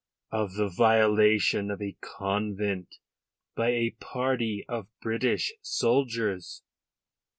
Of the violation of a convent by a party of British soldiers?